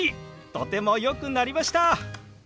とてもよくなりました！